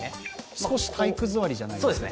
少し体育座りじゃないですかね。